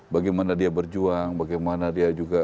bagaimana dia berjuang bagaimana dia juga